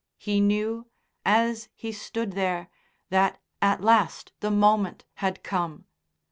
He knew, as he stood there, that at last the moment had come.